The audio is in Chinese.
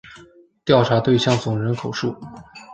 调查对象总人口数